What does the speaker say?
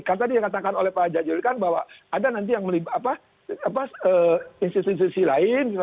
kan tadi yang katakan oleh pak jajil kan bahwa ada nanti yang melibatkan institusi institusi lain